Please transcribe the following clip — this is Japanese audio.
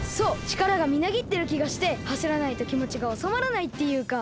ちからがみなぎってるきがしてはしらないときもちがおさまらないっていうか。